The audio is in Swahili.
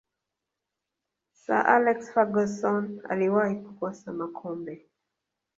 sir alex ferguson aliwahi kukosa makombe